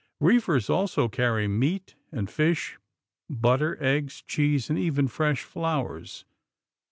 Reefers also carry meat and fish, butter, eggs, cheese and even fresh flowers.